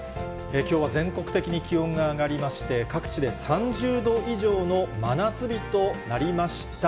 きょうは全国的に気温が上がりまして、各地で３０度以上の真夏日となりました。